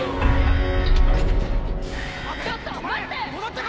ちょっと待って！